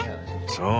そう。